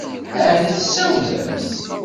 Ɛni tsawlemt?